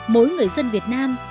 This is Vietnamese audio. mỗi người dân việt nam